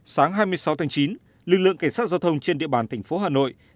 sáng hai mươi sáu tháng chín lực lượng cảnh sát giao thông trên địa bàn thành phố hà nội